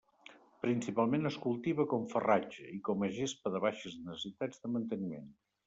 Principalment es cultiva com farratge i com a gespa de baixes necessitats de manteniment.